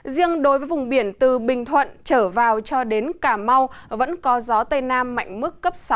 riêng đối với vùng biển từ bình thuận trở vào cho đến cà mau vẫn có gió tây nam mạnh mức cấp sáu